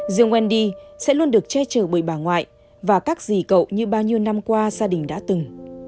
dường quen đi sẽ luôn được che chờ bởi bà ngoại và các dì cậu như bao nhiêu năm qua gia đình đã từng